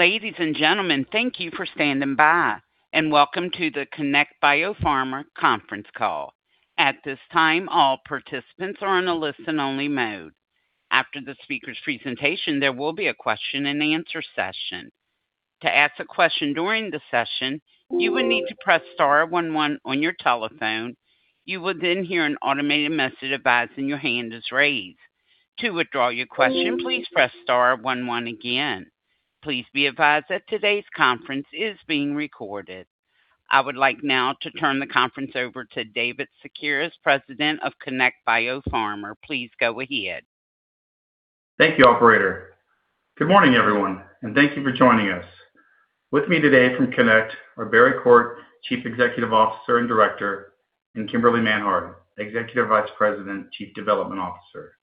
Ladies and gentlemen, thank you for standing by, and welcome to the Connect Biopharma conference call. At this time, all participants are on a listen-only mode. After the speaker's presentation, there will be a question-and-answer session. To ask a question during the session, you will need to press star one one on your telephone. You will then hear an automated message advising your hand is raised. To withdraw your question, please press star one one again. Please be advised that today's conference is being recorded. I would like now to turn the conference over to David Szekeres, President of Connect Biopharma. Please go ahead. Thank you, operator. Good morning, everyone, and thank you for joining us. With me today from Connect are Barry Quart, Chief Executive Officer and Director, and Kimberly Manhard, Executive Vice President, Chief Development Officer.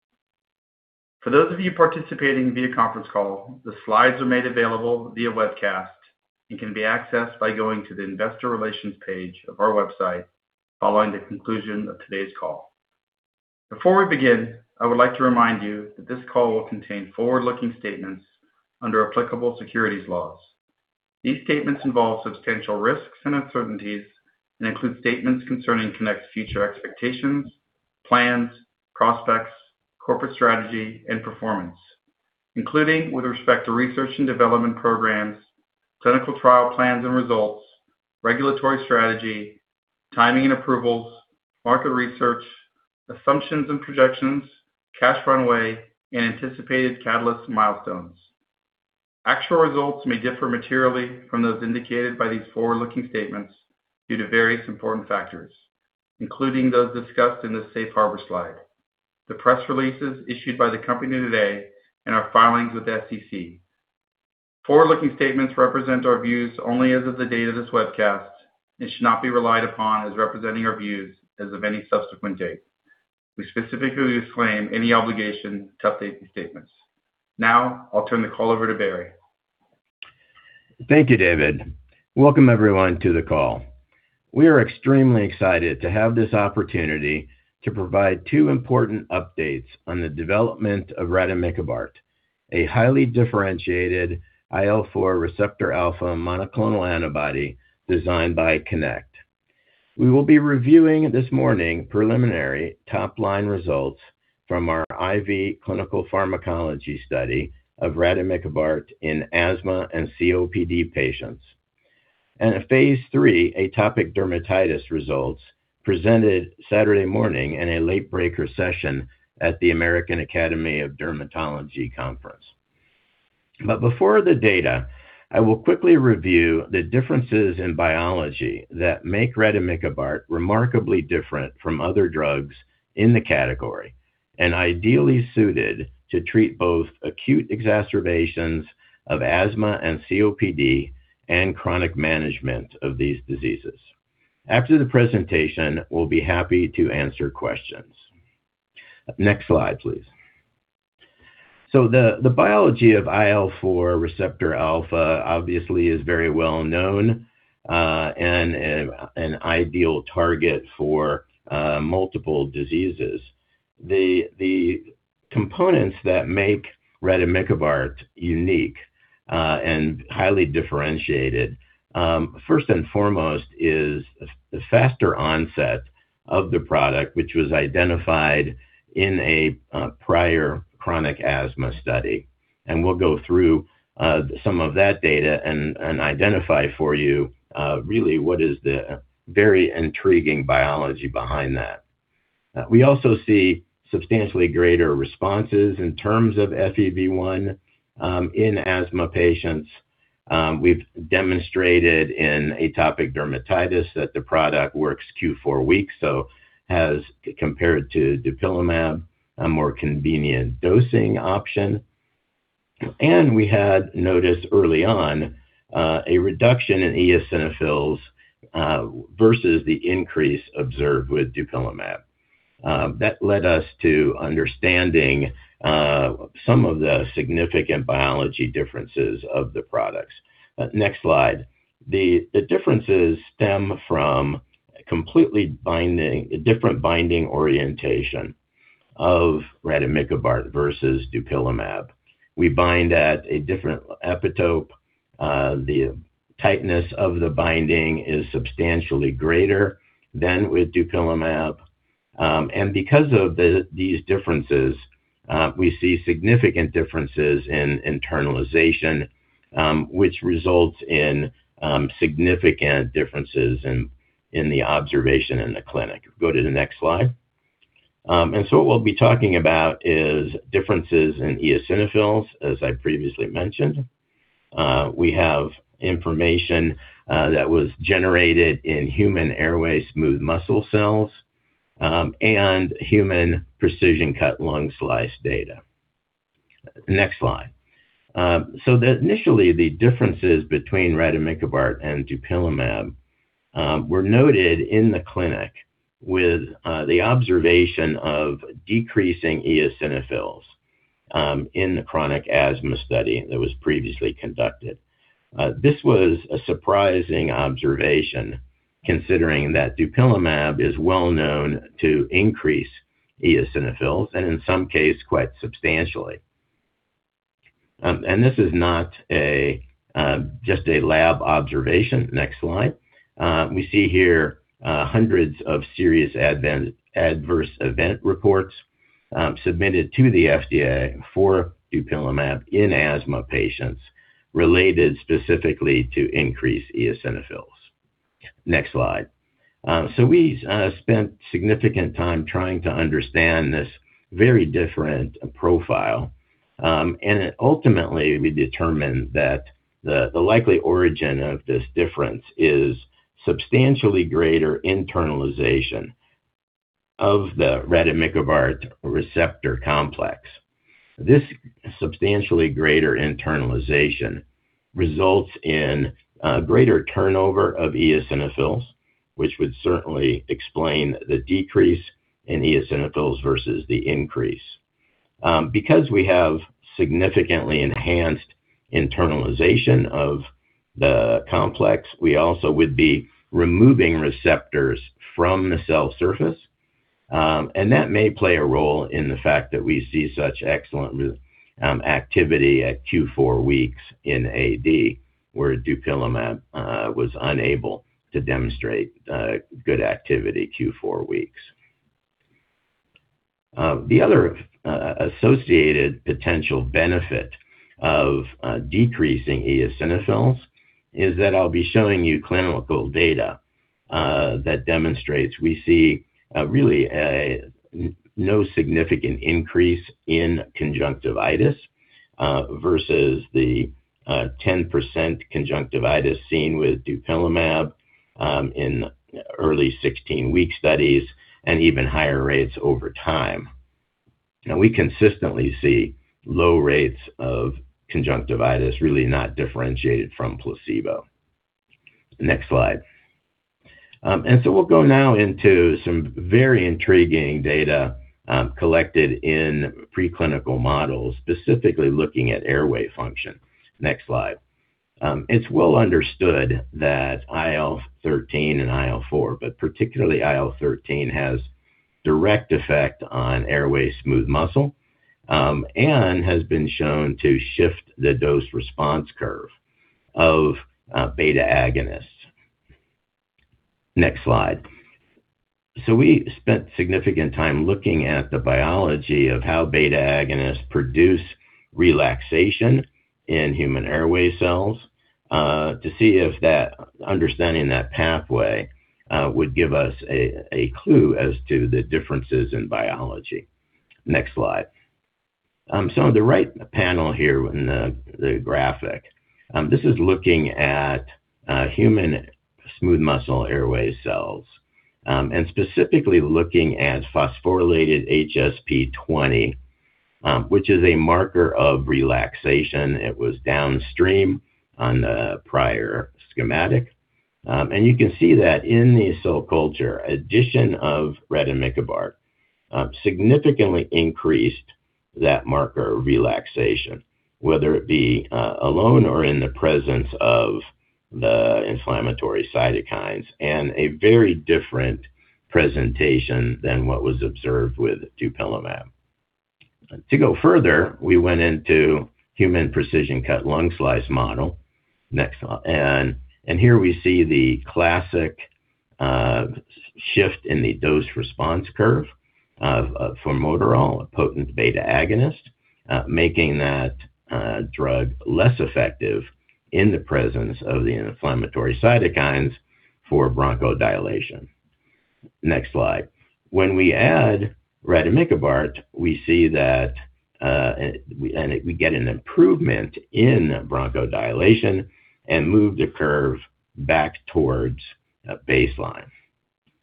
For those of you participating via conference call, the slides are made available via webcast and can be accessed by going to the investor relations page of our website following the conclusion of today's call. Before we begin, I would like to remind you that this call will contain forward-looking statements under applicable securities laws. These statements involve substantial risks and uncertainties and include statements concerning Connect's future expectations, plans, prospects, corporate strategy, and performance, including with respect to research and development programs, clinical trial plans and results, regulatory strategy, timing and approvals, market research, assumptions and projections, cash runway, and anticipated catalyst milestones. Actual results may differ materially from those indicated by these forward-looking statements due to various important factors, including those discussed in this safe harbor slide, the press releases issued by the company today, and our filings with the SEC. Forward-looking statements represent our views only as of the date of this webcast and should not be relied upon as representing our views as of any subsequent date. We specifically disclaim any obligation to update these statements. Now, I'll turn the call over to Barry. Thank you, David. Welcome, everyone, to the call. We are extremely excited to have this opportunity to provide two important updates on the development of rademikibart, a highly differentiated IL-4 receptor alpha monoclonal antibody designed by Connect. We will be reviewing this morning preliminary top-line results from our IV clinical pharmacology study of rademikibart in asthma and COPD patients, and phase III atopic dermatitis results presented Saturday morning in a late-breaker session at the American Academy of Dermatology Conference. Before the data, I will quickly review the differences in biology that make rademikibart remarkably different from other drugs in the category and ideally suited to treat both acute exacerbations of asthma and COPD and chronic management of these diseases. After the presentation, we'll be happy to answer questions. The biology of IL-4 receptor alpha obviously is very well known and an ideal target for multiple diseases. The components that make rademikibart unique and highly differentiated, first and foremost is the faster onset of the product, which was identified in a prior chronic asthma study. We'll go through some of that data and identify for you really what is the very intriguing biology behind that. We also see substantially greater responses in terms of FEV1 in asthma patients. We've demonstrated in atopic dermatitis that the product works Q4 weeks, so as compared to dupilumab, a more convenient dosing option. We had noticed early on a reduction in eosinophils versus the increase observed with dupilumab. That led us to understanding some of the significant biology differences of the products. The differences stem from a completely different binding orientation of rademikibart versus dupilumab. We bind at a different epitope. The tightness of the binding is substantially greater than with dupilumab. Because of these differences, we see significant differences in internalization, which results in significant differences in the observations in the clinic. Go to the next slide. What we'll be talking about is differences in eosinophils, as I previously mentioned. We have information that was generated in human airway smooth muscle cells and human precision-cut lung slice data. Initially, the differences between rademikibart and dupilumab were noted in the clinic with the observation of decreasing eosinophils in the chronic asthma study that was previously conducted. This was a surprising observation. Considering that dupilumab is well known to increase eosinophils, and in some case, quite substantially. This is not just a lab observation. We see here hundreds of serious adverse event reports submitted to the FDA for dupilumab in asthma patients related specifically to increased eosinophils. We spent significant time trying to understand this very different profile. Ultimately, we determined that the likely origin of this difference is substantially greater internalization of the rademikibart receptor complex. This substantially greater internalization results in greater turnover of eosinophils, which would certainly explain the decrease in eosinophils versus the increase. Because we have significantly enhanced internalization of the complex, we also would be removing receptors from the cell surface. That may play a role in the fact that we see such excellent activity at Q4 weeks in AD, where dupilumab was unable to demonstrate good activity Q4 weeks. The other associated potential benefit of decreasing eosinophils is that I'll be showing you clinical data that demonstrates we see really no significant increase in conjunctivitis versus the 10% conjunctivitis seen with dupilumab in early 16-week studies, and even higher rates over time. Now we consistently see low rates of conjunctivitis really not differentiated from placebo. We'll go now into some very intriguing data, collected in preclinical models, specifically looking at airway function. It's well understood that IL-13 and IL-4, but particularly IL-13, has direct effect on airway smooth muscle, and has been shown to shift the dose response curve of beta agonists. We spent significant time looking at the biology of how beta agonists produce relaxation in human airway cells, to see if that understanding that pathway would give us a clue as to the differences in biology. The right panel here in the graphic, this is looking at human smooth muscle airway cells. And specifically looking at phosphorylated HSP20, which is a marker of relaxation. It was downstream on the prior schematic. You can see that in the cell culture, addition of rademikibart significantly increased that marker of relaxation, whether it be alone or in the presence of the inflammatory cytokines, and a very different presentation than what was observed with dupilumab. To go further, we went into human precision-cut lung slice model. Here we see the classic shift in the dose-response curve of formoterol, a potent beta agonist, making that drug less effective in the presence of the inflammatory cytokines for bronchodilation. When we add rademikibart, we see that and we get an improvement in bronchodilation and move the curve back towards a baseline.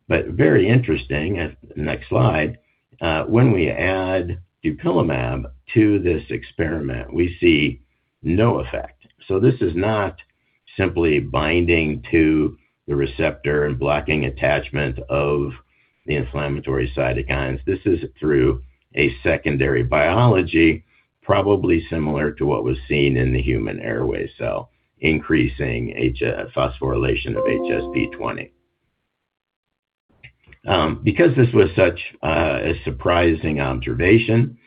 But very interesting, when we add dupilumab to this experiment, we see no effect. This is not simply binding to the receptor and blocking attachment of the inflammatory cytokines. This is through a secondary biology, probably similar to what was seen in the human airway cell, increasing phosphorylation of HSP20. Because this was such a surprising observation,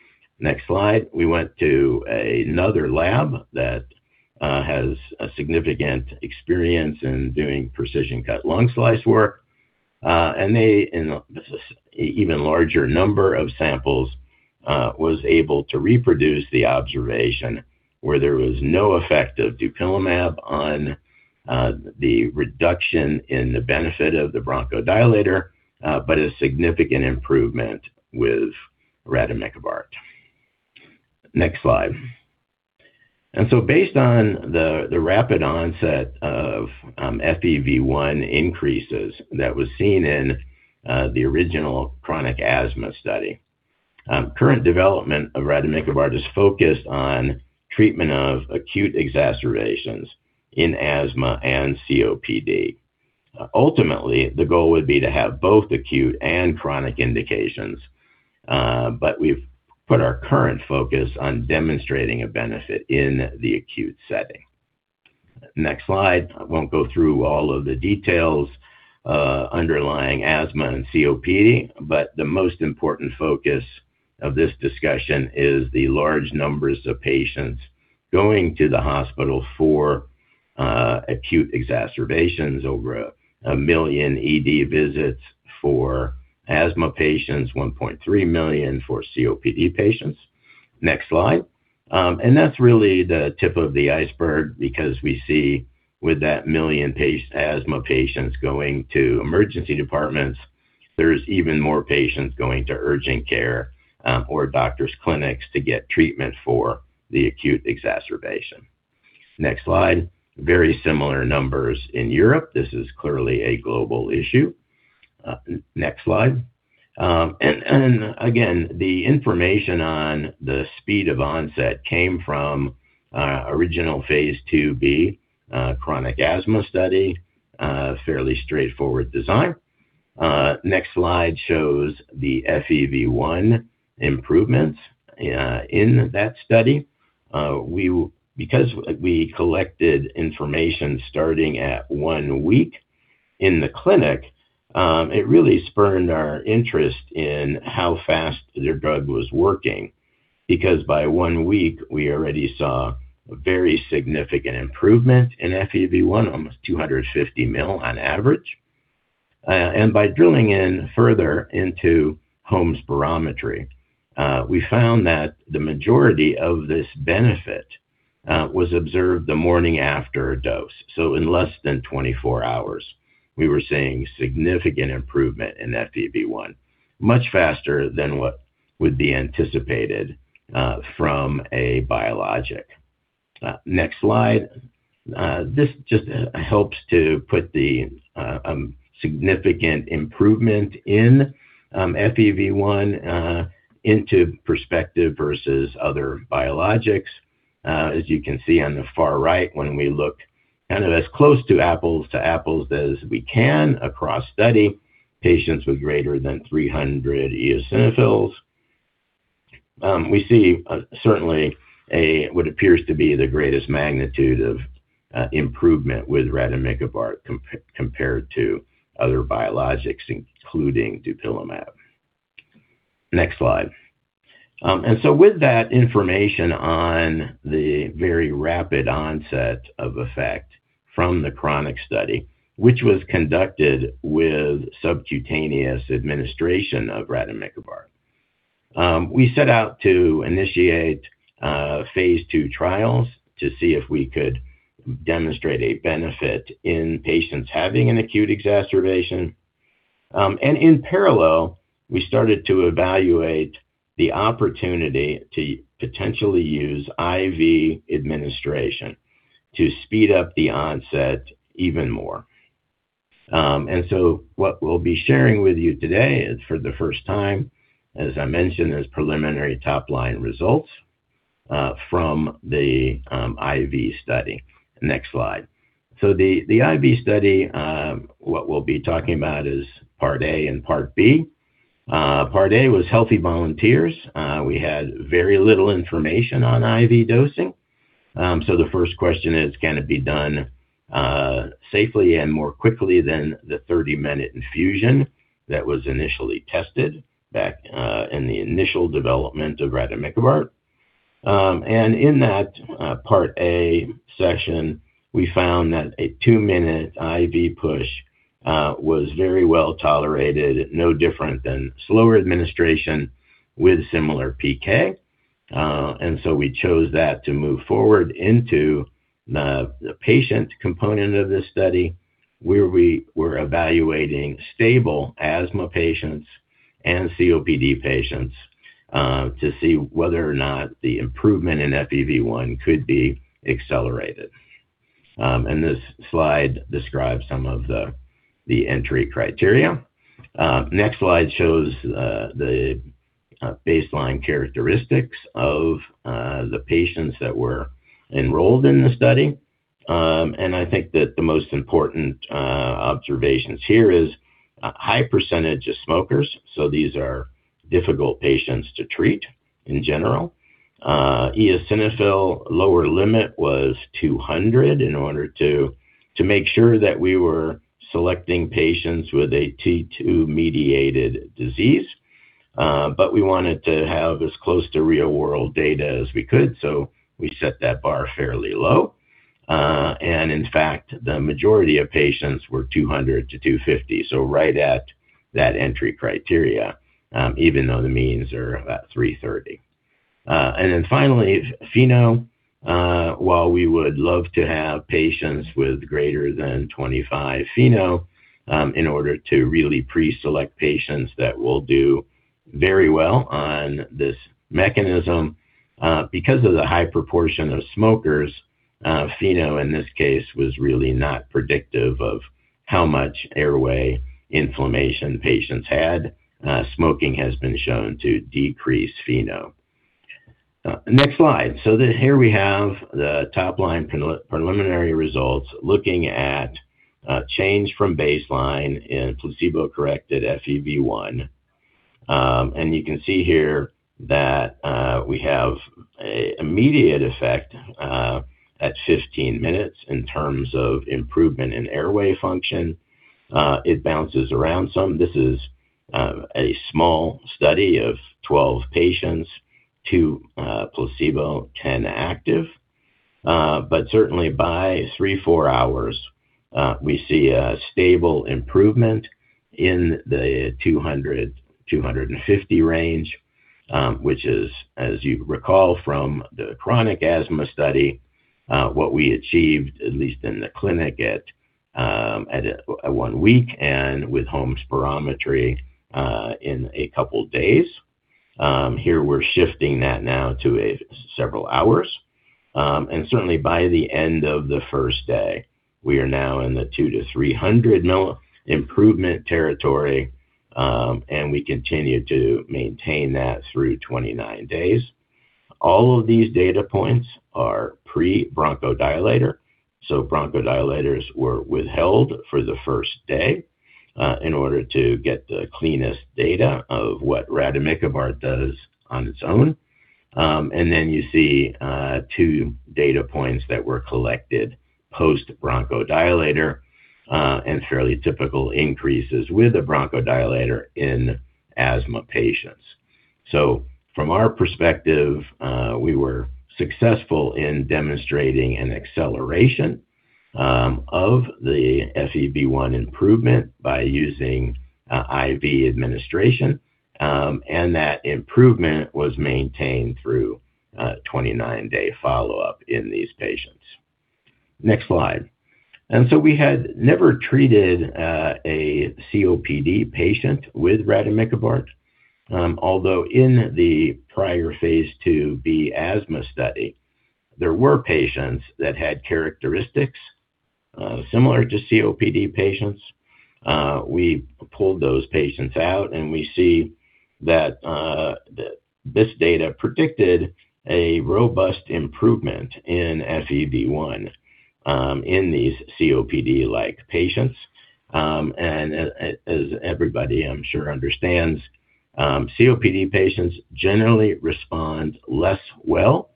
we went to another lab that has a significant experience in doing precision-cut lung slice work. This is even larger number of samples, was able to reproduce the observation where there was no effect of dupilumab on the reduction in the benefit of the bronchodilator, but a significant improvement with rademikibart. Based on the rapid onset of FEV1 increases that was seen in the original chronic asthma study, current development of rademikibart is focused on treatment of acute exacerbations in asthma and COPD. Ultimately, the goal would be to have both acute and chronic indications, but we've put our current focus on demonstrating a benefit in the acute setting. I won't go through all of the details underlying asthma and COPD, but the most important focus of this discussion is the large numbers of patients going to the hospital for acute exacerbations. Over 1 million ED visits for asthma patients, 1.3 million for COPD patients. That's really the tip of the iceberg because we see with that 1 million patients, asthma patients going to emergency departments, there's even more patients going to urgent care or doctor's clinics to get treatment for the acute exacerbation. Very similar numbers in Europe. This is clearly a global issue. Again, the information on the speed of onset came from original phase II-B chronic asthma study, fairly straightforward design. Next slide shows the FEV1 improvements in that study. Because we collected information starting at one week in the clinic, it really spurred our interest in how fast their drug was working because by one week, we already saw a very significant improvement in FEV1, almost 250 mL on average. By drilling in further into home spirometry, we found that the majority of this benefit was observed the morning after a dose. In less than 24 hours, we were seeing significant improvement in FEV1, much faster than what would be anticipated from a biologic. This just helps to put the significant improvement in FEV1 into perspective versus other biologics. As you can see on the far right, when we look kind of as close to apples to apples as we can across study, patients with greater than 300 eosinophils, we see certainly a what appears to be the greatest magnitude of improvement with rademikibart compared to other biologics, including dupilumab. With that information on the very rapid onset of effect from the chronic study, which was conducted with subcutaneous administration of rademikibart, we set out to initiate phase II trials to see if we could demonstrate a benefit in patients having an acute exacerbation. In parallel, we started to evaluate the opportunity to potentially use IV administration to speed up the onset even more. What we'll be sharing with you today is, for the first time as I mentioned, preliminary top-line results from the IV study. The IV study, what we'll be talking about is Part A and Part B. Part A was healthy volunteers. We had very little information on IV dosing. The first question is, can it be done safely and more quickly than the 30-minute infusion that was initially tested back in the initial development of rademikibart? In that Part A session, we found that a two-minute IV push was very well tolerated, no different than slower administration with similar PK. We chose that to move forward into the patient component of this study, where we were evaluating stable asthma patients and COPD patients to see whether or not the improvement in FEV1 could be accelerated. This slide describes some of the entry criteria. Next slide shows the baseline characteristics of the patients that were enrolled in the study. I think that the most important observations here is a high percentage of smokers. These are difficult patients to treat in general. Eosinophil lower limit was 200 in order to make sure that we were selecting patients with a T2-mediated disease. We wanted to have as close to real-world data as we could, so we set that bar fairly low. In fact, the majority of patients were 200-250, so right at that entry criteria, even though the means are about 330. Finally, FeNO, while we would love to have patients with greater than 25 FeNO, in order to really pre-select patients that will do very well on this mechanism, because of the high proportion of smokers, FeNO in this case was really not predictive of how much airway inflammation patients had. Smoking has been shown to decrease FeNO. Here we have the top-line preliminary results looking at change from baseline in placebo-corrected FEV1. You can see here that we have immediate effect at 15 minutes in terms of improvement in airway function. It bounces around some. This is a small study of 12 patients, two placebo, 10 active. Certainly by three, four hours, we see a stable improvement in the 200-250 range, which is, as you recall, from the chronic asthma study, what we achieved, at least in the clinic, at one week and with home spirometry in a couple days. Here we're shifting that now to several hours. Certainly by the end of the first day, we are now in the 200-300 mL improvement territory, and we continue to maintain that through 29 days. All of these data points are pre-bronchodilator. Bronchodilators were withheld for the first day in order to get the cleanest data of what rademikibart does on its own. You see two data points that were collected post-bronchodilator, and fairly typical increases with a bronchodilator in asthma patients. From our perspective, we were successful in demonstrating an acceleration of the FEV1 improvement by using IV administration, and that improvement was maintained through a 29-day follow-up in these patients. We had never treated a COPD patient with rademikibart. Although in the prior phase II-B asthma study, there were patients that had characteristics similar to COPD patients. We pulled those patients out, and we see that this data predicted a robust improvement in FEV1 in these COPD-like patients. As everybody I'm sure understands, COPD patients generally respond less well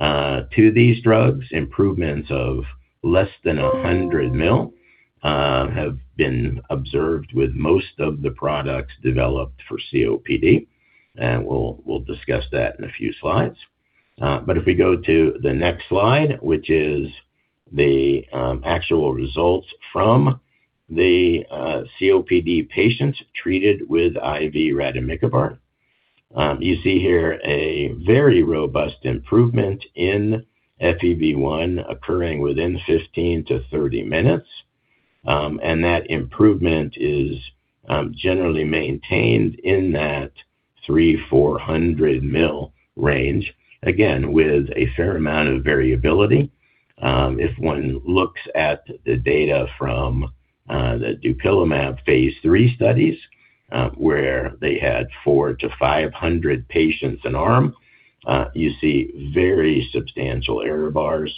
to these drugs. Improvements of less than 100 mL have been observed with most of the products developed for COPD, and we'll discuss that in a few slides. If we go to the next slide, which is the actual results from the COPD patients treated with IV rademikibart, you see here a very robust improvement in FEV1 occurring within 15-30 minutes. That improvement is generally maintained in that 300 mL-400 mL range, again, with a fair amount of variability. If one looks at the data from the dupilumab phase III studies, where they had 400-500 patients per arm, you see very substantial error bars.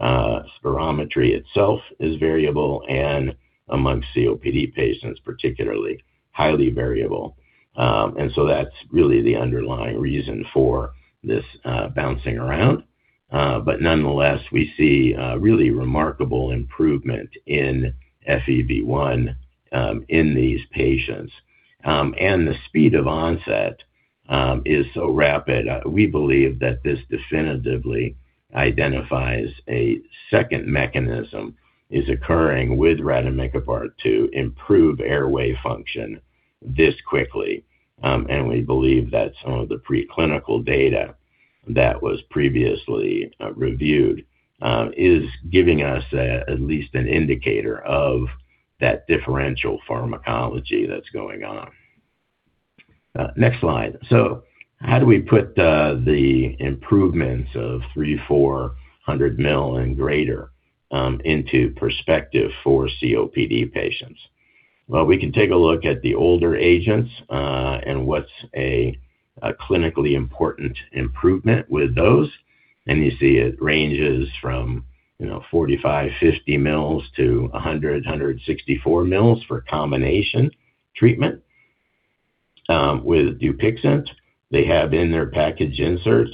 Spirometry itself is variable and among COPD patients, particularly highly variable. That's really the underlying reason for this bouncing around. Nonetheless, we see a really remarkable improvement in FEV1 in these patients. The speed of onset is so rapid we believe that this definitively identifies a second mechanism is occurring with rademikibart to improve airway function this quickly. We believe that some of the preclinical data that was previously reviewed is giving us at least an indicator of that differential pharmacology that's going on. How do we put the improvements of 300 mL-400 mL and greater into perspective for COPD patients? We can take a look at the older agents and what's a clinically important improvement with those. You see it ranges from, you know, 45 mL-50 mL to 100 mL-164 mL for combination treatment. With Dupixent, they have in their package insert,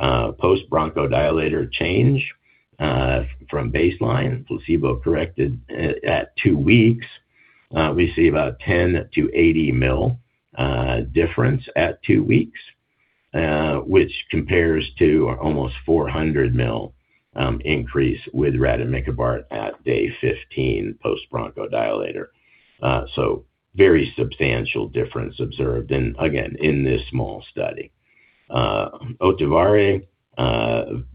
post-bronchodilator change from baseline placebo corrected at two weeks. We see about 10 mL-80 mL difference at two weeks, which compares to almost 400 mL increase with rademikibart at day 15 post-bronchodilator. Very substantial difference observed again in this small study. Ohtuvayre,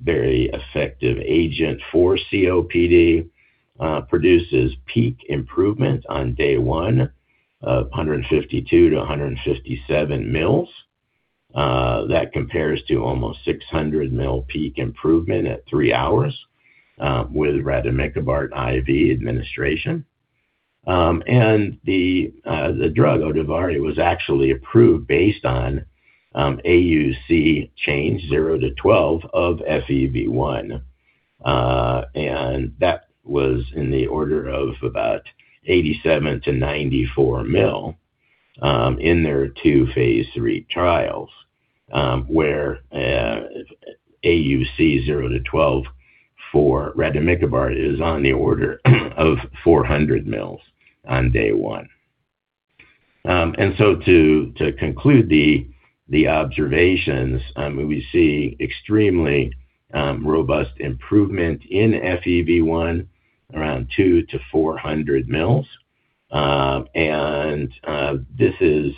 very effective agent for COPD, produces peak improvement on day one of 152 mL-157 mL. That compares to almost 600 mL peak improvement at three hours with rademikibart IV administration, and the drug Ohtuvayre was actually approved based on AUC 0-12 change of FEV1. That was in the order of about 87 mL-94 mL in their two phase III trials, where AUC 0-12h for rademikibart is on the order of 400 mL on day one. To conclude the observations, we see extremely robust improvement in FEV1 around 200 mL-400 mL. This is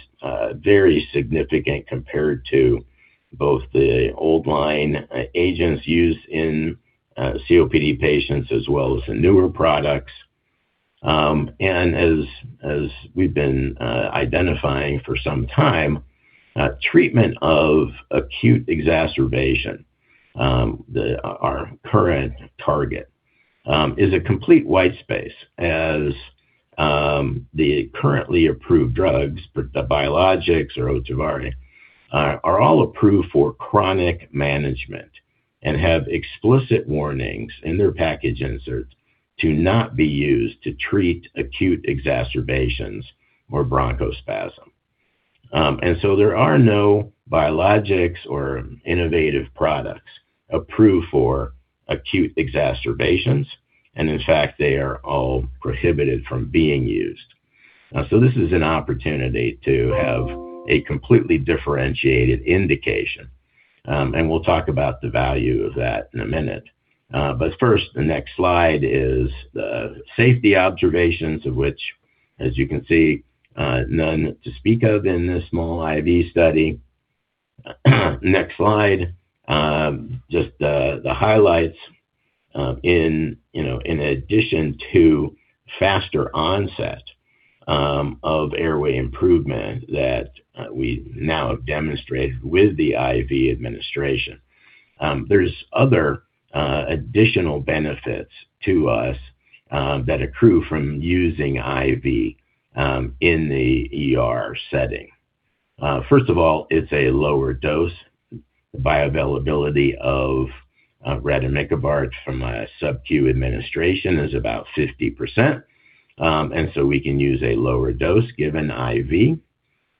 very significant compared to both the old-line agents used in COPD patients as well as the newer products. As we've been identifying for some time, treatment of acute exacerbation, our current target, is a complete white space as the currently approved drugs, the biologics or Ohtuvayre, are all approved for chronic management and have explicit warnings in their package inserts to not be used to treat acute exacerbations or bronchospasm. There are no biologics or innovative products approved for acute exacerbations, and in fact, they are all prohibited from being used. This is an opportunity to have a completely differentiated indication, and we'll talk about the value of that in a minute. The next slide is the safety observations of which, as you can see, none to speak of in this small IV study. Just the highlights, you know, in addition to faster onset of airway improvement that we now have demonstrated with the IV administration. There's other additional benefits to us that accrue from using IV in the ER setting. First of all, it's a lower dose. Bioavailability of rademikibart from a sub-Q administration is about 50%, and so we can use a lower dose given IV,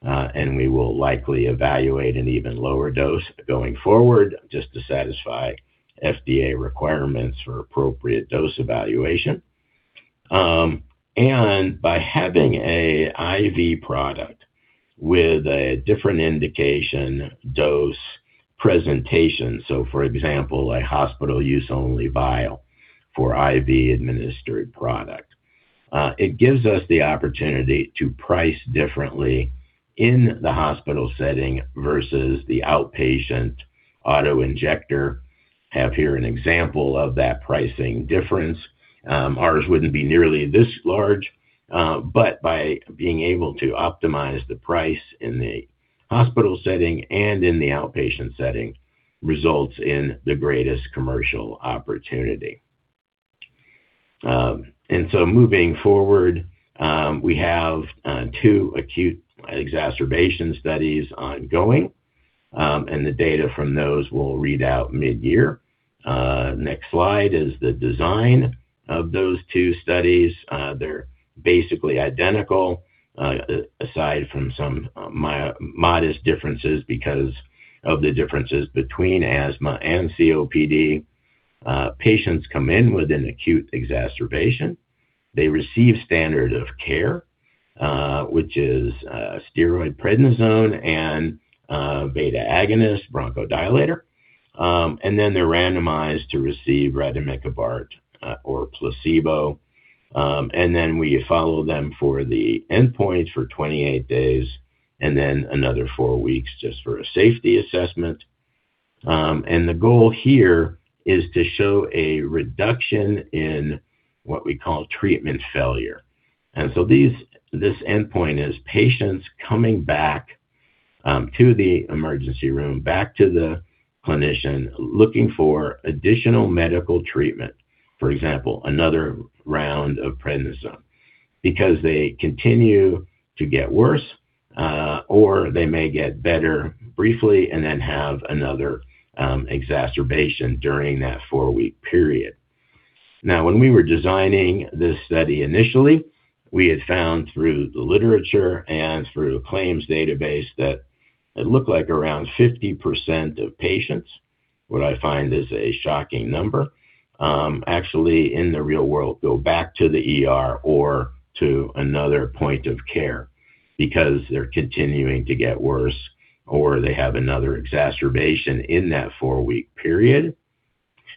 and we will likely evaluate an even lower dose going forward just to satisfy FDA requirements for appropriate dose evaluation. By having an IV product with a different indication dose presentation, so for example, a hospital use only vial for IV administered product, it gives us the opportunity to price differently in the hospital setting versus the outpatient auto-injector. We have here an example of that pricing difference. Ours wouldn't be nearly this large, but by being able to optimize the price in the hospital setting and in the outpatient setting results in the greatest commercial opportunity. Moving forward, we have two acute exacerbation studies ongoing, and the data from those will read out mid-year. Next slide is the design of those two studies. They're basically identical, aside from some modest differences because of the differences between asthma and COPD. Patients come in with an acute exacerbation. They receive standard of care, which is a steroid prednisone and a beta-agonist bronchodilator. Then they're randomized to receive rademikibart or placebo. We follow them for the endpoint for 28 days and then another four weeks just for a safety assessment. The goal here is to show a reduction in what we call treatment failure. This endpoint is patients coming back to the emergency room, back to the clinician, looking for additional medical treatment, for example, another round of prednisone, because they continue to get worse or they may get better briefly and then have another exacerbation during that four-week period. Now, when we were designing this study initially, we had found through the literature and through claims database that it looked like around 50% of patients, what I find is a shocking number, actually in the real world go back to the ER or to another point of care because they're continuing to get worse or they have another exacerbation in that four-week period.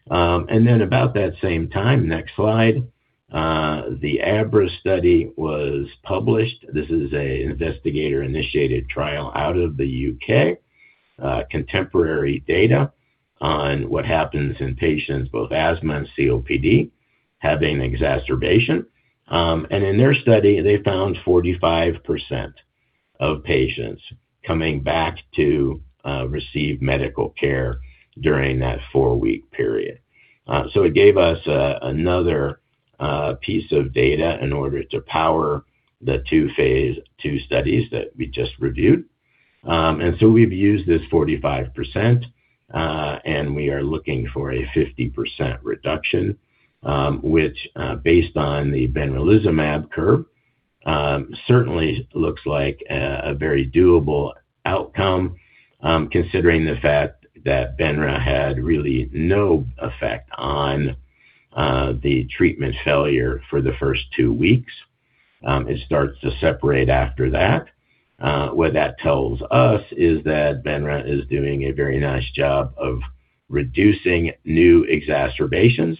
Then about that same time, next slide, the ABRA study was published. This is an investigator-initiated trial out of the U.K., contemporary data on what happens in patients, both asthma and COPD, having exacerbation. In their study, they found 45% of patients coming back to receive medical care during that four-week period. It gave us another piece of data in order to power the two phase II studies that we just reviewed. We've used this 45%, and we are looking for a 50% reduction, which, based on the benralizumab curve, certainly looks like a very doable outcome, considering the fact that benra had really no effect on the treatment failure for the first two weeks. It starts to separate after that. What that tells us is that benra is doing a very nice job of reducing new exacerbations,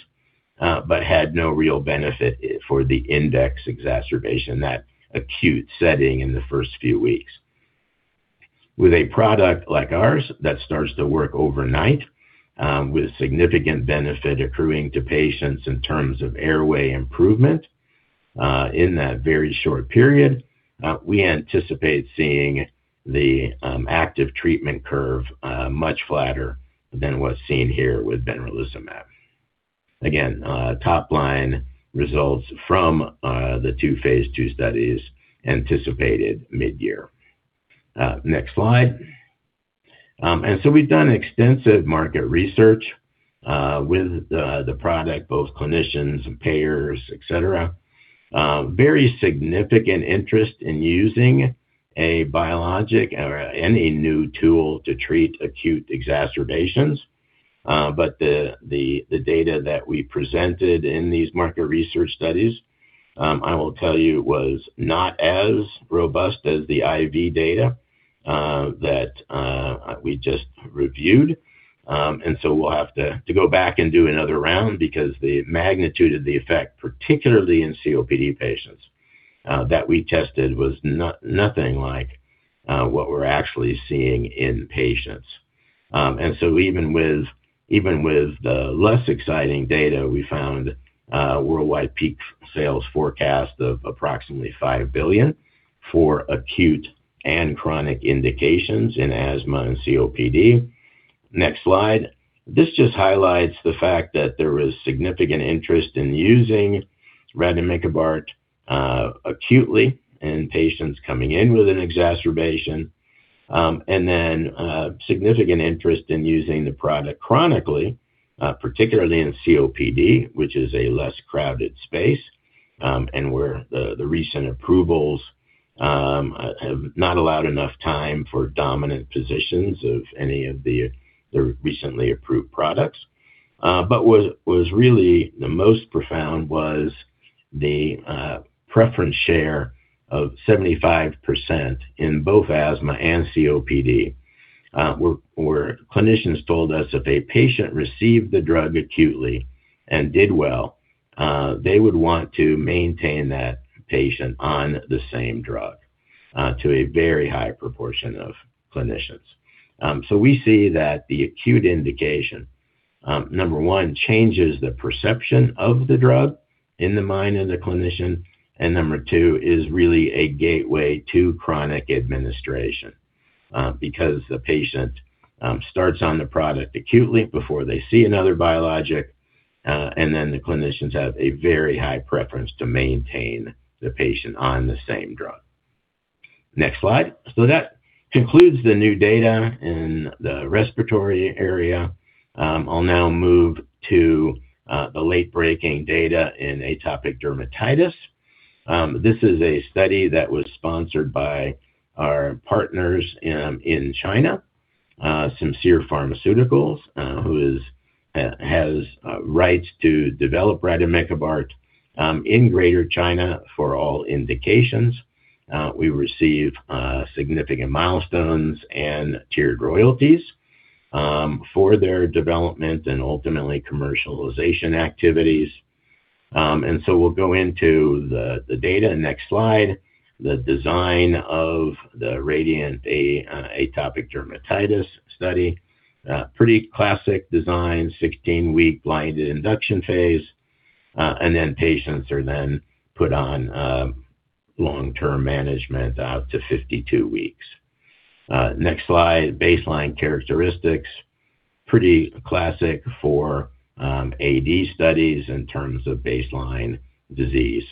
but had no real benefit for the index exacerbation, that acute setting in the first few weeks. With a product like ours that starts to work overnight, with significant benefit accruing to patients in terms of airway improvement, in that very short period, we anticipate seeing the active treatment curve much flatter than what's seen here with benralizumab. Again, top-line results from the two phase II studies anticipated mid-year. We've done extensive market research with the product, both clinicians and payers, et cetera. Very significant interest in using a biologic or any new tool to treat acute exacerbations. The data that we presented in these market research studies, I will tell you, was not as robust as the IV data that we just reviewed. We'll have to go back and do another round because the magnitude of the effect, particularly in COPD patients that we tested was nothing like what we're actually seeing in patients. Even with the less exciting data, we found a worldwide peak sales forecast of approximately $5 billion for acute and chronic indications in asthma and COPD. This just highlights the fact that there was significant interest in using rademikibart acutely in patients coming in with an exacerbation, and then significant interest in using the product chronically, particularly in COPD, which is a less crowded space, and where the recent approvals have not allowed enough time for dominant positions of any of the recently approved products. What was really the most profound was the preference share of 75% in both asthma and COPD, where clinicians told us if a patient received the drug acutely and did well, they would want to maintain that patient on the same drug to a very high proportion of clinicians. We see that the acute indication, number one, changes the perception of the drug in the mind of the clinician, and number two, is really a gateway to chronic administration, because the patient starts on the product acutely before they see another biologic, and then the clinicians have a very high preference to maintain the patient on the same drug. That concludes the new data in the respiratory area. I'll now move to the late-breaking data in atopic dermatitis. This is a study that was sponsored by our partners in China, Simcere Pharmaceutical, who has rights to develop rademikibart in Greater China for all indications. We receive significant milestones and tiered royalties for their development and ultimately commercialization activities. We'll go into the data. Next slide. The design of the RADIANT-AD atopic dermatitis study. Pretty classic design. 16-week blinded induction phase, and then patients are then put on long-term management out to 52 weeks. Baseline characteristics. Pretty classic for AD studies in terms of baseline disease.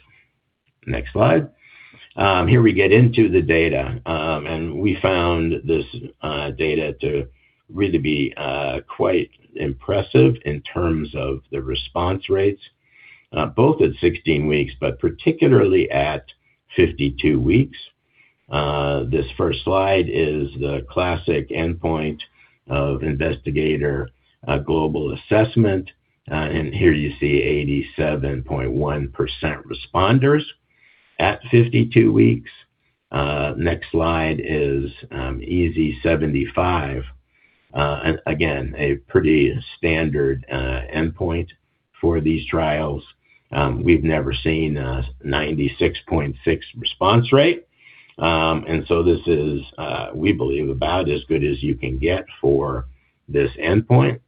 Here we get into the data. We found this data to really be quite impressive in terms of the response rates both at 16 weeks, but particularly at 52 weeks. This first slide is the classic endpoint of Investigator Global Assessment. Here you see 87.1% responders at 52 weeks. Next slide is EASI-75. Again, a pretty standard endpoint for these trials. We've never seen a 96.6% response rate. This is, we believe, about as good as you can get for this endpoint.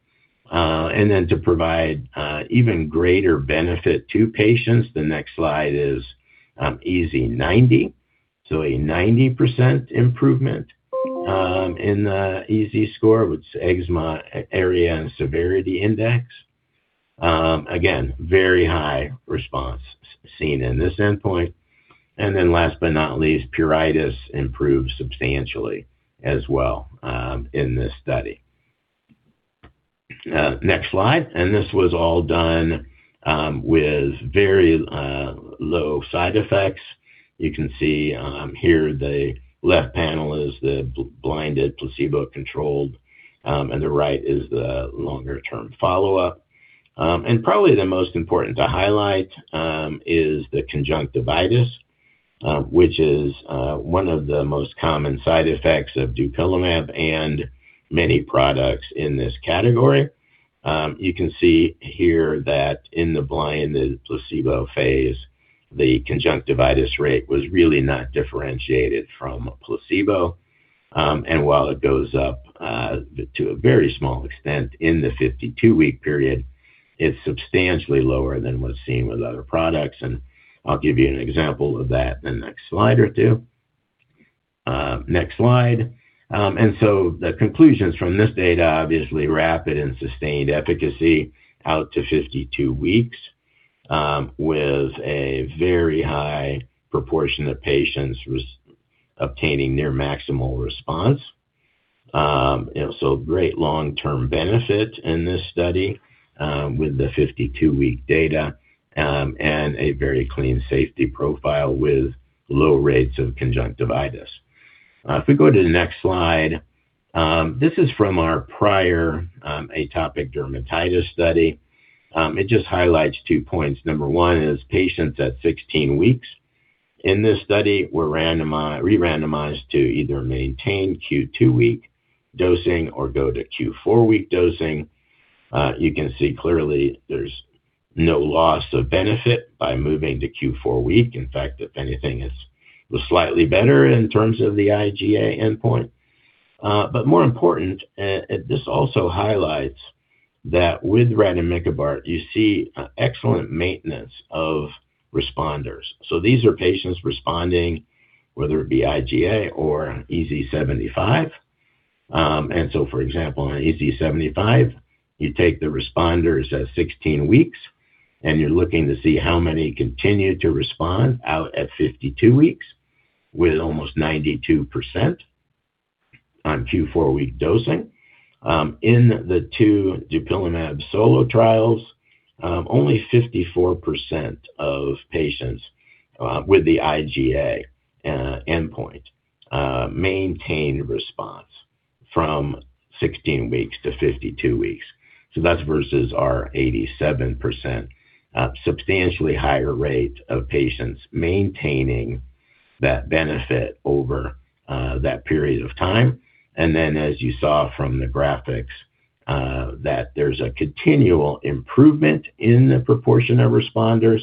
To provide even greater benefit to patients, the next slide is EASI-90. A 90% improvement in the EASI score, which is Eczema Area and Severity Index. Again, very high response seen in this endpoint. Last but not least, pruritus improved substantially as well in this study. This was all done with very low side effects. You can see here the left panel is the blinded placebo-controlled, and the right is the longer-term follow-up. Probably the most important to highlight is the conjunctivitis, which is one of the most common side effects of dupilumab and many products in this category. You can see here that in the blinded placebo phase, the conjunctivitis rate was really not differentiated from placebo. While it goes up to a very small extent in the 52-week period, it's substantially lower than what's seen with other products. I'll give you an example of that in the next slide or two. The conclusions from this data, obviously rapid and sustained efficacy out to 52 weeks, with a very high proportion of patients obtaining near maximal response. Great long-term benefit in this study, with the 52-week data, and a very clean safety profile with low rates of conjunctivitis. If we go to the next slide, this is from our prior atopic dermatitis study. It just highlights two points. Number one is patients at 16 weeks in this study were re-randomized to either maintain Q2-week dosing or go to Q4-week dosing. You can see clearly there's no loss of benefit by moving to Q4-week. In fact, if anything it's slightly better in terms of the IGA endpoint. More important, this also highlights that with rademikibart you see excellent maintenance of responders. These are patients responding, whether it be IGA or an EASI-75. For example, on an EASI-75, you take the responders at 16 weeks, and you're looking to see how many continue to respond out at 52 weeks with almost 92% on Q4-week dosing. In the two dupilumab solo trials, only 54% of patients with the IGA endpoint maintained response from 16 weeks to 52 weeks. That's versus our 87%, substantially higher rate of patients maintaining that benefit over that period of time. As you saw from the graphics, that there's a continual improvement in the proportion of responders.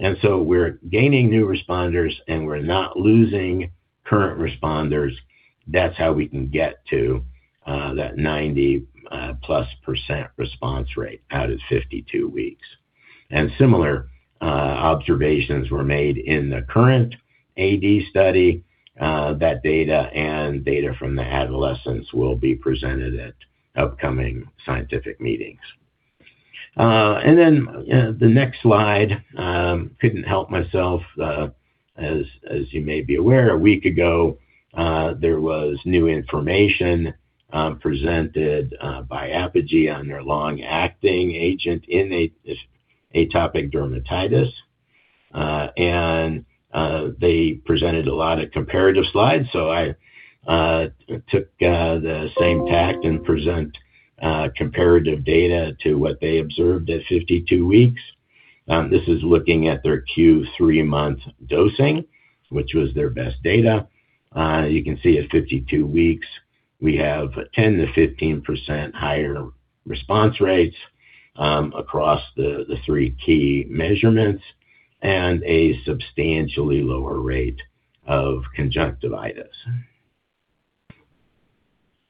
We're gaining new responders, and we're not losing current responders. That's how we can get to that 90%+ response rate out at 52 weeks. Similar observations were made in the current AD study. That data and data from the adolescents will be presented at upcoming scientific meetings. The next slide, couldn't help myself. As you may be aware, a week ago, there was new information presented by Apogee on their long-acting agent in atopic dermatitis. They presented a lot of comparative slides, so I took the same tack and presented comparative data to what they observed at 52 weeks. This is looking at their Q3-month dosing, which was their best data. You can see at 52 weeks, we have 10%-15% higher response rates across the three key measurements, and a substantially lower rate of conjunctivitis.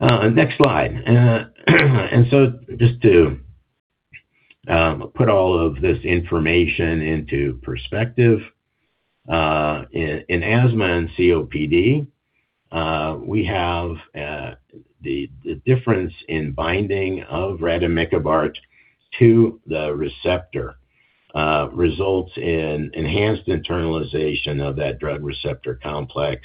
Just to put all of this information into perspective, in asthma and COPD, we have the difference in binding of rademikibart to the receptor results in enhanced internalization of that drug receptor complex,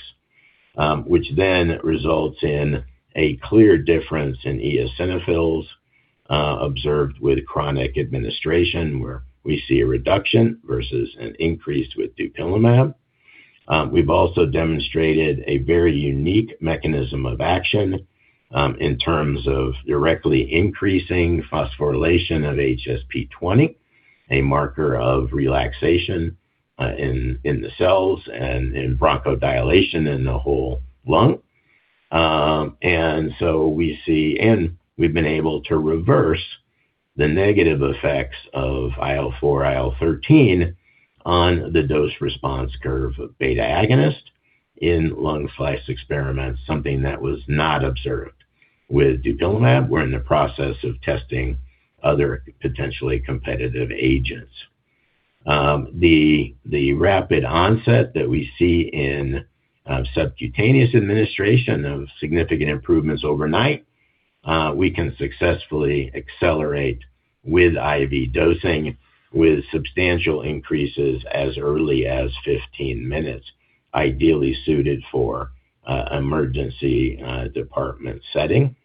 which then results in a clear difference in eosinophils observed with chronic administration, where we see a reduction versus an increase with dupilumab. We've also demonstrated a very unique mechanism of action, in terms of directly increasing phosphorylation of HSP20, a marker of relaxation, in the cells and in bronchodilation in the whole lung. We've been able to reverse the negative effects of IL-4, IL-13 on the dose response curve of beta agonist in lung slice experiments, something that was not observed with dupilumab. We're in the process of testing other potentially competitive agents. The rapid onset that we see in subcutaneous administration of significant improvements overnight, we can successfully accelerate with IV dosing with substantial increases as early as 15 minutes, ideally suited for emergency department setting.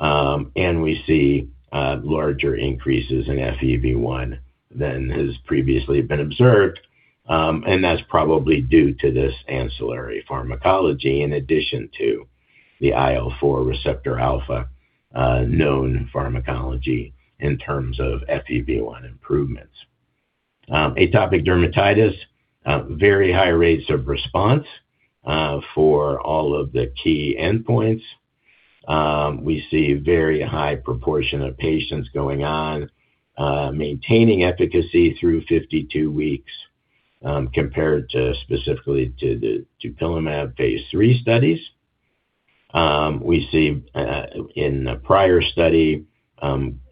We see larger increases in FEV1 than has previously been observed, and that's probably due to this ancillary pharmacology in addition to the IL-4 receptor alpha known pharmacology in terms of FEV1 improvements. Atopic dermatitis, very high rates of response for all of the key endpoints. We see very high proportion of patients going on maintaining efficacy through 52 weeks, compared to specifically to the dupilumab phase III studies. We see in a prior study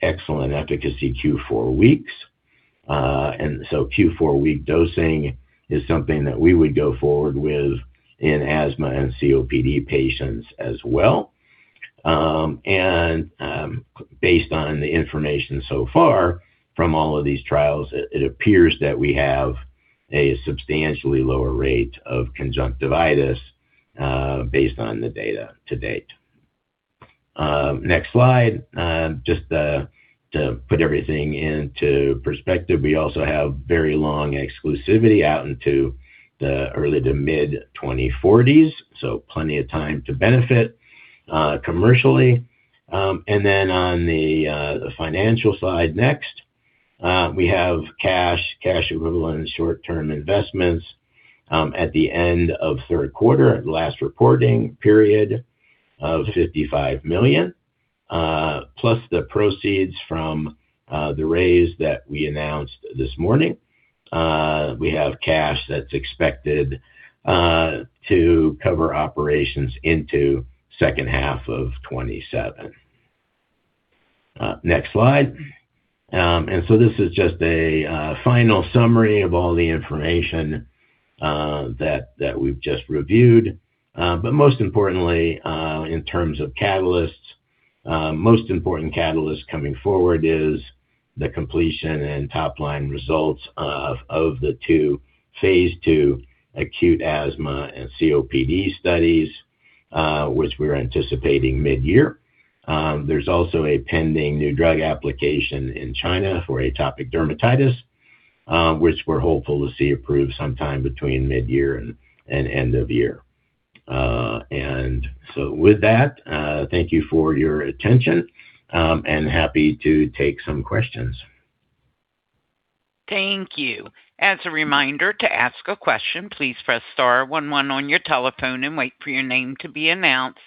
excellent efficacy Q4 weeks. Q4-week dosing is something that we would go forward with in asthma and COPD patients as well. Based on the information so far from all of these trials, it appears that we have a substantially lower rate of conjunctivitis based on the data to date. Just to put everything into perspective, we also have very long exclusivity out into the early to mid-2040s, so plenty of time to benefit commercially. On the financial side next, we have cash equivalents, short-term investments at the end of the third quarter at last reporting period of $55 million plus the proceeds from the raise that we announced this morning. We have cash that's expected to cover operations into the second half of 2027. This is just a final summary of all the information that we've just reviewed. Most importantly, in terms of catalysts, most important catalyst coming forward is the completion and top-line results of the two phase II acute asthma and COPD studies, which we're anticipating midyear. There's also a pending New Drug Application in China for atopic dermatitis, which we're hopeful to see approved sometime between midyear and end of year. With that, thank you for your attention, and happy to take some questions. Thank you. As a reminder to ask a question, please press star one one on your telephone and wait for your name to be announced.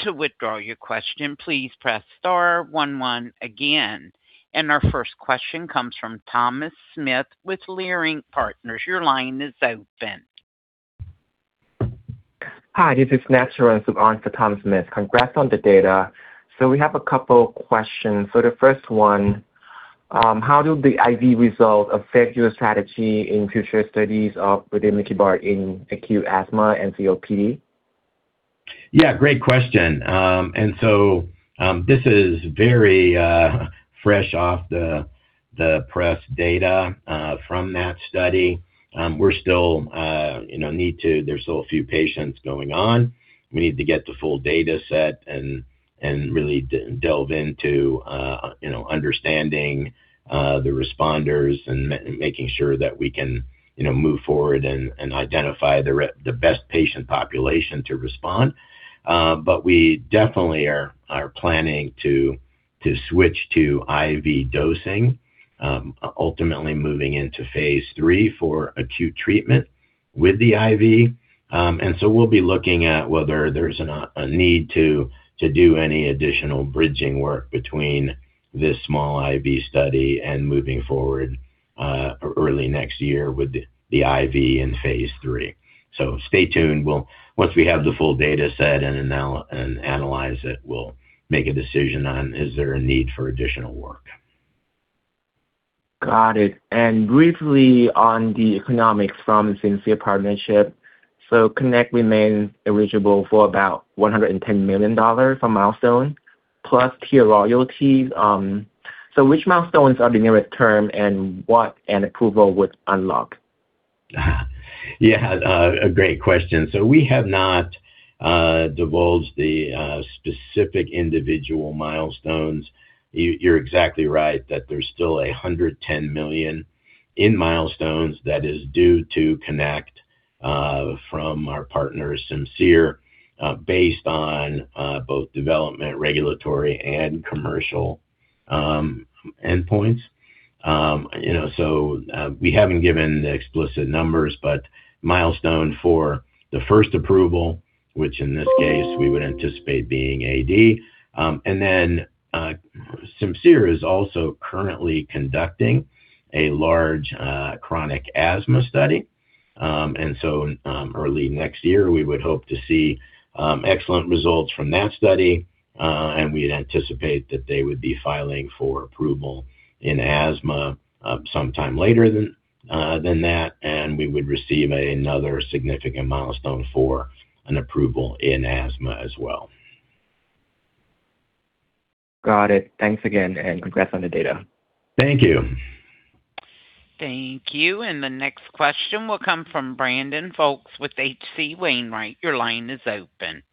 To withdraw your question, please press star one one again. Our first question comes from Thomas Smith with Leerink Partners. Your line is open. Hi, this is Nat Charoensook on for Thomas Smith. Congrats on the data. We have a couple questions. The first one, how do the IV results affect your strategy in future studies of rademikibart in acute asthma and COPD? Yeah, great question. This is very fresh off the press data from that study. There's still a few patients going on. We need to get the full data set and really delve into you know understanding the responders and making sure that we can you know move forward and identify the best patient population to respond. But we definitely are planning to switch to IV dosing ultimately moving into phase III for acute treatment with the IV. We'll be looking at whether there's a need to do any additional bridging work between this small IV study and moving forward early next year with the IV in phase III. Stay tuned. Once we have the full data set and analyze it, we'll make a decision on is there a need for additional work. Got it. Briefly on the economics from the Simcere partnership. Connect remains eligible for about $110 million for milestone plus tier royalties. Which milestones are the nearest term, and what an approval would unlock? A great question. We have not divulged the specific individual milestones. You are exactly right that there's still $110 million in milestones that is due to Connect from our partners, Simcere, based on both development, regulatory, and commercial endpoints. You know, we haven't given the explicit numbers, but milestone for the first approval, which in this case we would anticipate being AD. And then, Simcere is also currently conducting a large chronic asthma study. Early next year, we would hope to see excellent results from that study, and we'd anticipate that they would be filing for approval in asthma sometime later than that, and we would receive another significant milestone for an approval in asthma as well. Got it. Thanks again, and congrats on the data. Thank you. Thank you. The next question will come from Brandon Folkes with H.C. Wainwright. Your line is open.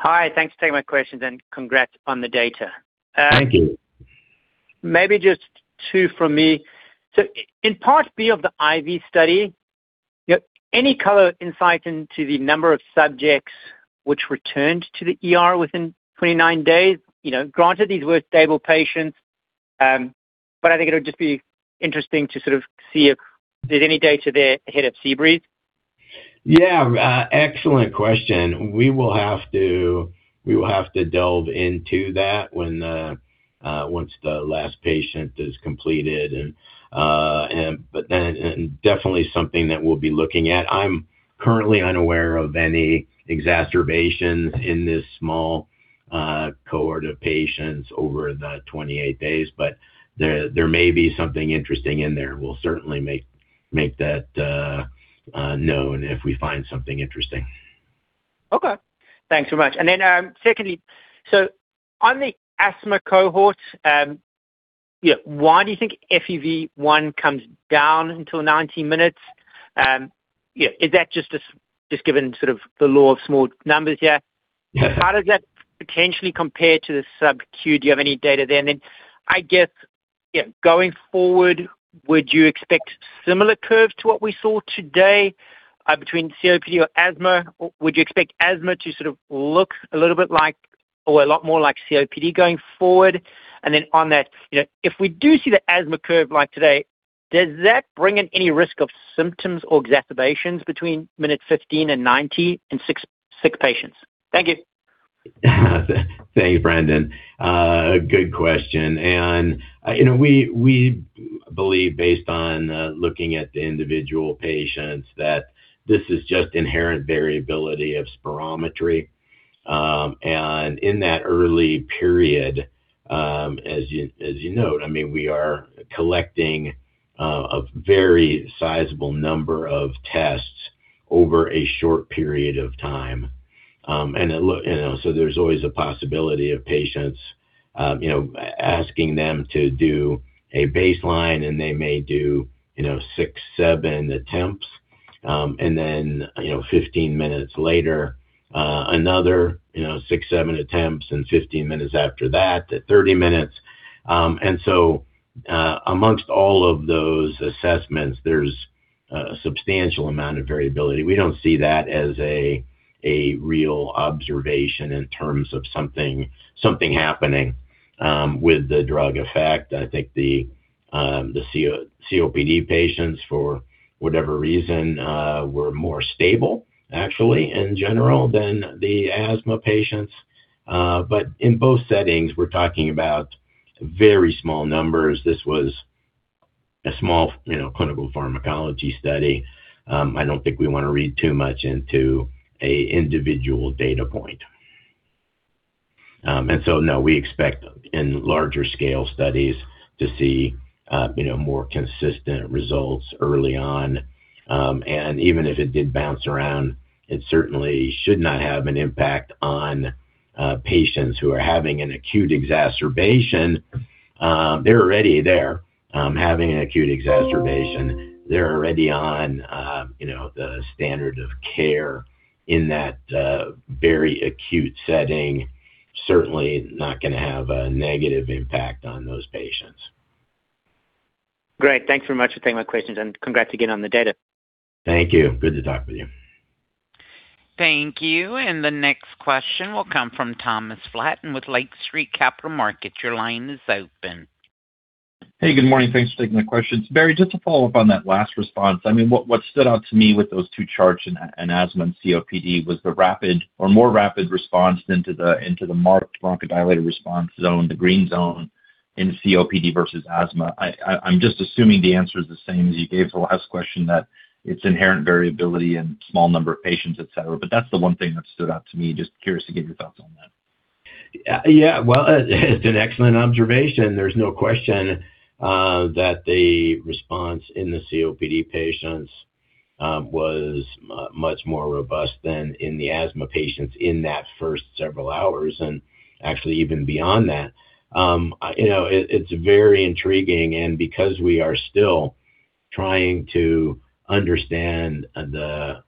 Hi. Thanks for taking my questions, and congrats on the data. Thank you. Maybe just two from me. In Part B of the IV study, any color or insight into the number of subjects which returned to the ER within 29 days? You know, granted these were stable patients, but I think it would just be interesting to sort of see if there's any data there ahead of Seabreeze. Yeah, excellent question. We will have to delve into that once the last patient is completed and definitely something that we'll be looking at. I'm currently unaware of any exacerbation in this small cohort of patients over the 28 days, but there may be something interesting in there. We'll certainly make that known if we find something interesting. Okay. Thanks so much. Secondly, so on the asthma cohort, yeah, why do you think FEV1 comes down until 90 minutes? Yeah, is that just given sort of the law of small numbers here? How does that potentially compare to the sub-Q? Do you have any data there? Then, I guess, yeah, going forward, would you expect similar curves to what we saw today between COPD or asthma? Or would you expect asthma to sort of look a little bit like or a lot more like COPD going forward? Then on that, you know, if we do see the asthma curve like today, does that bring in any risk of symptoms or exacerbations between minute 15 and 90 in sick patients? Thank you. Thanks, Brandon. Good question. You know, we believe based on looking at the individual patients that this is just inherent variability of spirometry. In that early period, as you note, I mean, we are collecting a very sizable number of tests over a short period of time. You know, there's always a possibility of patients, you know, asking them to do a baseline, and they may do, you know, six, seven attempts, and then, you know, 15 minutes later, another, you know, six, seven attempts, and 15 minutes after that, at 30 minutes. Among all of those assessments, there's a substantial amount of variability. We don't see that as a real observation in terms of something happening with the drug effect. I think the COPD patients, for whatever reason, were more stable actually in general than the asthma patients. In both settings, we're talking about very small numbers. This was a small, you know, clinical pharmacology study. I don't think we wanna read too much into an individual data point. No, we expect in larger scale studies to see, you know, more consistent results early on. Even if it did bounce around, it certainly should not have an impact on patients who are having an acute exacerbation. They're already there, having an acute exacerbation. They're already on, you know, the standard of care in that very acute setting. Certainly not gonna have a negative impact on those patients. Great. Thanks very much for taking my questions, and congrats again on the data. Thank you. Good to talk with you. Thank you. The next question will come from Thomas Flaten with Lake Street Capital Markets. Your line is open. Hey, good morning. Thanks for taking my questions. Barry, just to follow up on that last response. I mean, what stood out to me with those two charts in asthma and COPD was the rapid or more rapid response into the marked bronchodilator response zone, the green zone in COPD versus asthma. I'm just assuming the answer is the same as you gave the last question, that it's inherent variability in small number of patients, et cetera, but that's the one thing that stood out to me. Just curious to get your thoughts on that. Yeah. Well, it's an excellent observation. There's no question that the response in the COPD patients was much more robust than in the asthma patients in that first several hours, and actually even beyond that. It's very intriguing because we are still trying to understand the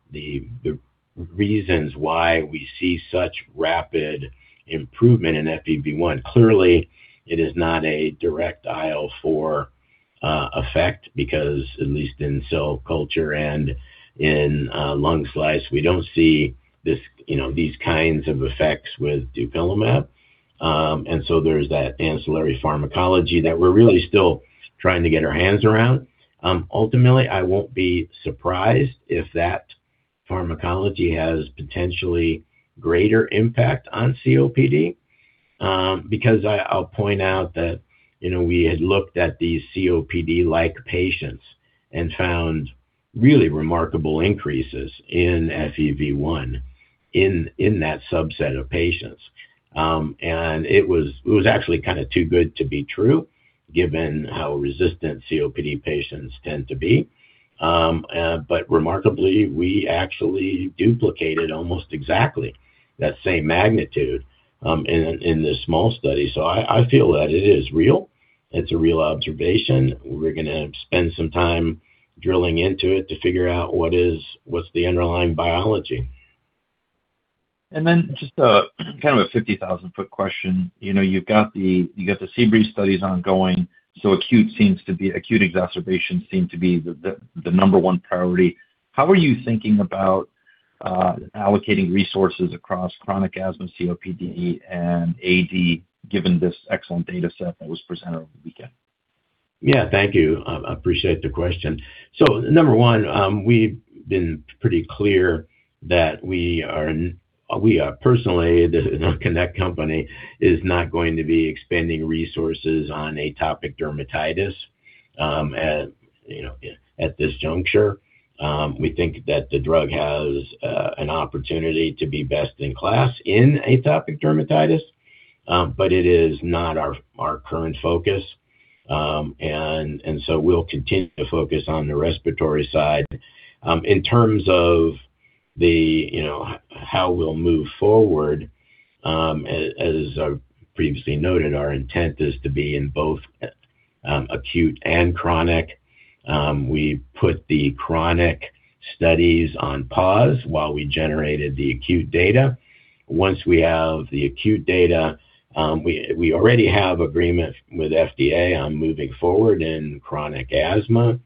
reasons why we see such rapid improvement in FEV1. Clearly, it is not a direct IL-4 effect because at least in cell culture and in lung slice, we don't see this, these kinds of effects with dupilumab. There's that ancillary pharmacology that we're really still trying to get our hands around. Ultimately, I won't be surprised if that pharmacology has potentially greater impact on COPD, because I'll point out that, you know, we had looked at these COPD-like patients and found really remarkable increases in FEV1 in that subset of patients. It was actually kinda too good to be true given how resistant COPD patients tend to be. Remarkably, we actually duplicated almost exactly that same magnitude in this small study. I feel that it is real. It's a real observation. We're gonna spend some time drilling into it to figure out what's the underlying biology. Just a kind of a 50,000 ft question. You know, you've got the Seabreeze studies ongoing, so acute exacerbation seem to be the number one priority. How are you thinking about allocating resources across chronic asthma, COPD, and AD, given this excellent data set that was presented over the weekend? Yeah. Thank you. Appreciate the question. Number one, we've been pretty clear that we are personally, the Connect company is not going to be expanding resources on atopic dermatitis, you know, at this juncture. We think that the drug has an opportunity to be best in class in atopic dermatitis, but it is not our current focus. We'll continue to focus on the respiratory side. In terms of you know, how we'll move forward, as I previously noted, our intent is to be in both acute and chronic. We've put the chronic studies on pause while we generated the acute data. Once we have the acute data, we already have agreement with FDA on moving forward in chronic asthma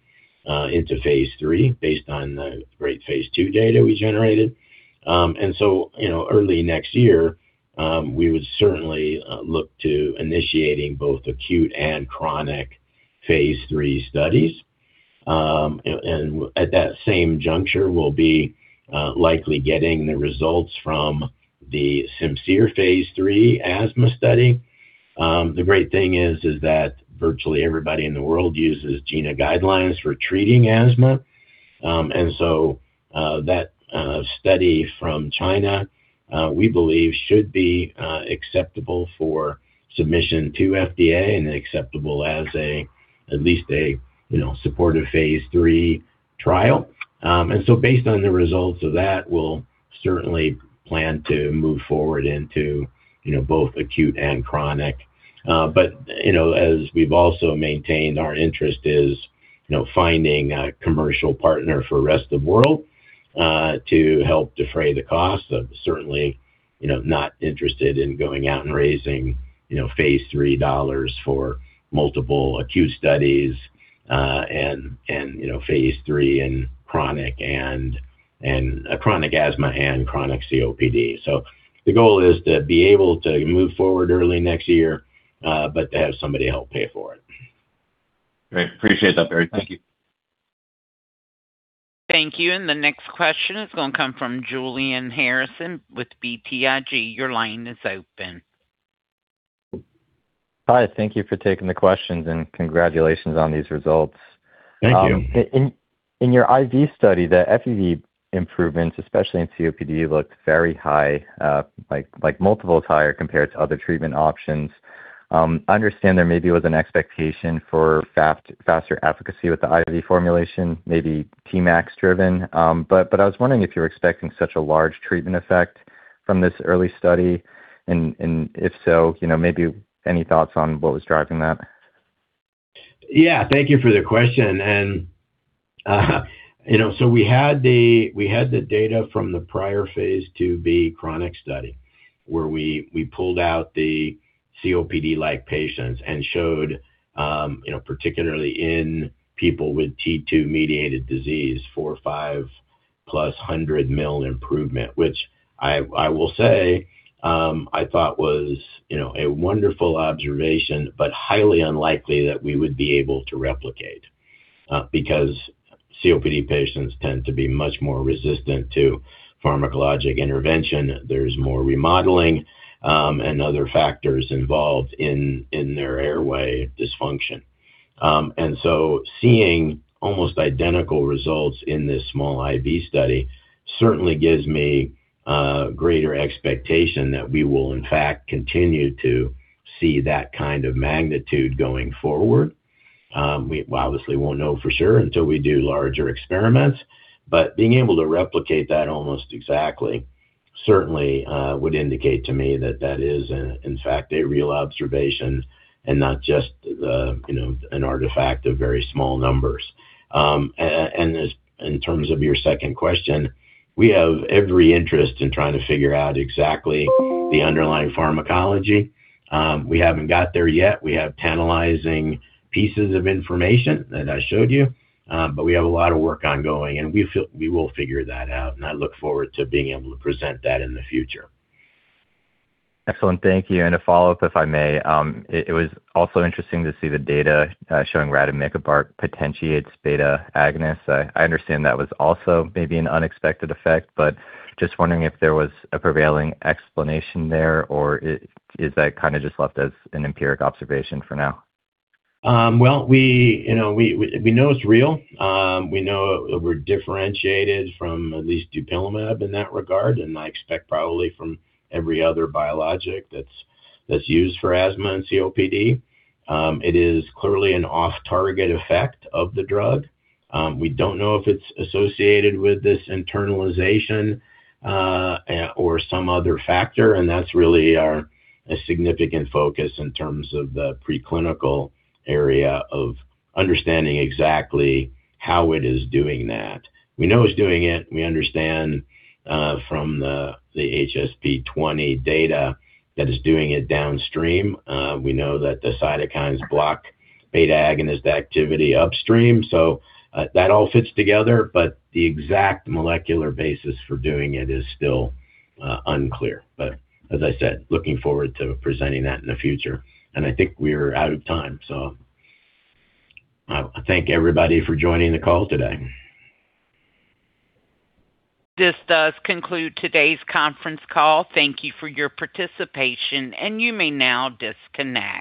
into phase III based on the great phase II data we generated. You know, early next year, we would certainly look to initiating both acute and chronic phase III studies. At that same juncture, we'll be likely getting the results from the Simcere phase III asthma study. The great thing is that virtually everybody in the world uses GINA guidelines for treating asthma. That study from China, we believe should be acceptable for submission to FDA and acceptable as at least a you know supportive phase III trial. Based on the results of that, we'll certainly plan to move forward into you know both acute and chronic. You know, as we've also maintained, our interest is, you know, finding a commercial partner for rest of the world, to help defray the costs of certainly, you know, not interested in going out and raising, you know, phase III dollars for multiple acute studies, and, you know, phase III in chronic and chronic asthma and chronic COPD. The goal is to be able to move forward early next year, but to have somebody help pay for it. Great. Appreciate that, Barry. Thank you. Thank you. The next question is gonna come from Julian Harrison with BTIG. Your line is open. Hi. Thank you for taking the questions, and congratulations on these results. Thank you. In your IV study, the FEV improvements, especially in COPD, looked very high, like multiples higher compared to other treatment options. I understand there maybe was an expectation for faster efficacy with the IV formulation, maybe Tmax driven, but I was wondering if you were expecting such a large treatment effect from this early study, and if so, you know, maybe any thoughts on what was driving that? Yeah. Thank you for the question. You know, we had the data from the prior phase II-B chronic study, where we pulled out the COPD-like patients and showed, you know, particularly in people with T2-mediated disease, 400 mL-500+ mL improvement, which I will say, I thought was, you know, a wonderful observation but highly unlikely that we would be able to replicate, because COPD patients tend to be much more resistant to pharmacologic intervention. There's more remodeling, and other factors involved in their airway dysfunction. Seeing almost identical results in this small IV study certainly gives me greater expectation that we will in fact continue to see that kind of magnitude going forward. We obviously won't know for sure until we do larger experiments, but being able to replicate that almost exactly certainly would indicate to me that that is in fact a real observation and not just the, you know, an artifact of very small numbers. And as in terms of your second question, we have every interest in trying to figure out exactly the underlying pharmacology. We haven't got there yet. We have tantalizing pieces of information that I showed you, but we have a lot of work ongoing, and we feel we will figure that out, and I look forward to being able to present that in the future. Excellent. Thank you. A follow-up, if I may. It was also interesting to see the data showing rademikibart potentiates beta agonists. I understand that was also maybe an unexpected effect, but just wondering if there was a prevailing explanation there, or is that kinda just left as an empiric observation for now? Well, we, you know, we know it's real. We know we're differentiated from at least dupilumab in that regard, and I expect probably from every other biologic that's used for asthma and COPD. It is clearly an off-target effect of the drug. We don't know if it's associated with this internalization or some other factor, and that's really our significant focus in terms of the preclinical area of understanding exactly how it is doing that. We know it's doing it. We understand from the HSP20 data that it's doing it downstream. We know that the cytokines block beta-agonist activity upstream. So, that all fits together, but the exact molecular basis for doing it is still unclear. As I said, looking forward to presenting that in the future. I think we're out of time, so I thank everybody for joining the call today. This does conclude today's conference call. Thank you for your participation, and you may now disconnect.